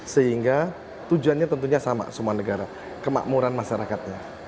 sehingga tujuannya tentunya sama semua negara kemakmuran masyarakatnya